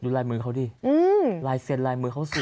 ลายมือเขาดิลายเซ็นลายมือเขาสิ